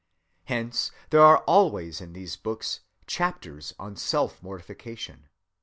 Hence there are always in these books chapters on self‐mortification.